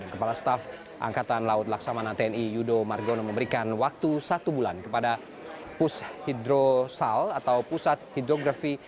kepala staf angkatan laut laksamana tni yudo margono memberikan waktu satu bulan kepada pus hidrosal atau pusat hidrografi